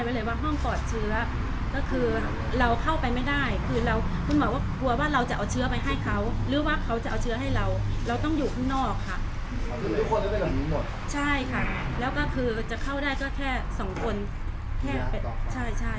เราต้องอยู่ข้างนอกค่ะ